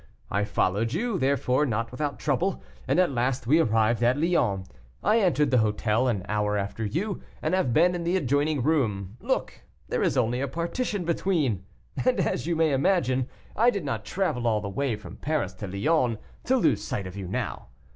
I followed you, therefore, not without trouble, and at last we arrived at Lyons. I entered the hotel an hour after you, and have been in the adjoining room; look, there is only a partition between, and, as you may imagine, I did not travel all the way from Paris to Lyons to lose sight of you now.